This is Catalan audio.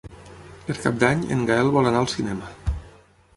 Per Cap d'Any en Gaël vol anar al cinema.